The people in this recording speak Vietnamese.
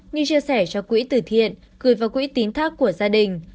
như chia sẻ cho quỹ tử thiện gửi vào quỹ tín thác của gia đình